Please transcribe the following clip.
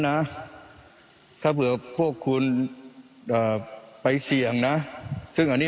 นะถ้าเผื่อพวกคุณเอ่อไปเสี่ยงนะซึ่งอันนี้